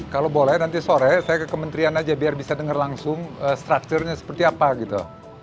kalau boleh nanti sore saya ke kementerian aja biar bisa dengar langsung structure nya seperti apa gitu